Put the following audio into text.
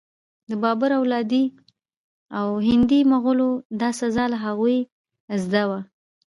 د بابر اولادې او هندي مغولو دا سزا له هغوی زده وه.